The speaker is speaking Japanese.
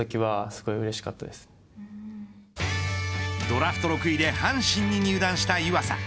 ドラフト６位で阪神に入団した湯浅。